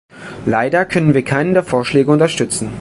Leider können wir keinen der Vorschläge unterstützen.